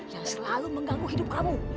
yang selalu mengganggu hidup kamu